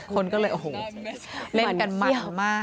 คนก็เลยโอ้โหเล่นกันมามาก